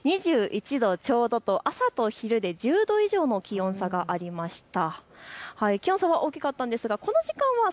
２１度ちょうどと朝と昼で１０度以上の気温差がありました。